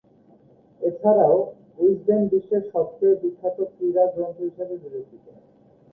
এছাড়াও, উইজডেন বিশ্বের সবচেয়ে বিখ্যাত ক্রীড়া গ্রন্থ হিসেবে বিবেচিত।